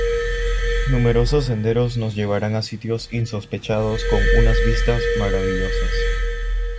Numerosos senderos nos llevarán a sitios insospechados con unas vistas maravillosas.